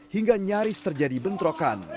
hingga nyaris terjadi bentrokan